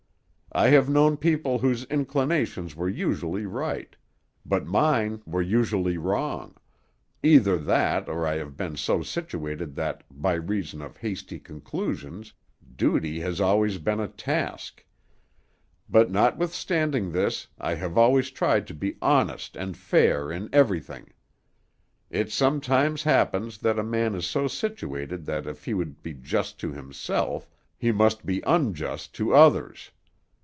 I have known people whose inclinations were usually right; but mine were usually wrong either that, or I have been so situated that, by reason of hasty conclusions, duty has always been a task; but notwithstanding this I have always tried to be honest and fair in everything. It sometimes happens that a man is so situated that if he would be just to himself he must be unjust to others.